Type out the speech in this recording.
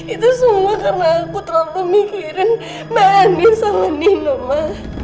itu semua karena aku terlalu mikirin manis sama nino mah